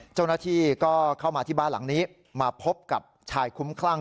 เจ้าหน้าที่ก็เข้ามาที่บ้านหลังนี้มาพบกับชายคุ้มคลั่ง